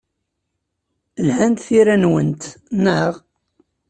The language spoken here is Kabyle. Lhant tira-nwent, naɣ?